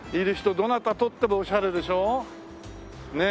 どなたとってもオシャレでしょ？ねえ。